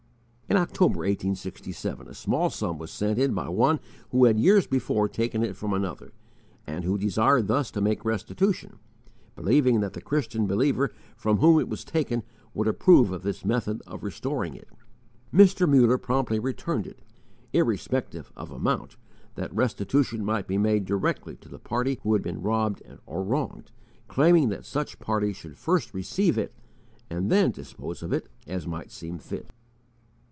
In October, 1867, a small sum was sent in by one who had years before taken it from another, and who desired thus to make restitution, believing that the Christian believer from whom it was taken would approve of this method of restoring it. Mr. Muller promptly returned it, irrespective of amount, that restitution might be made directly to the party who had been robbed or wronged, claiming that such party should first receive it and then dispose of it as might seem fit.